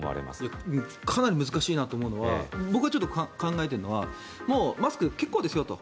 かなり難しいなと思うのは僕が考えているのはもうマスク結構ですよと。